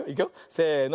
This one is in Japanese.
せの。